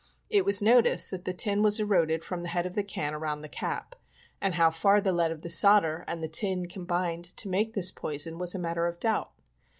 It was noticed that the tin was eroded from the head of the can around the cap, and how far the lead of the solder and the tin combined to make this poison was a matter of doubt.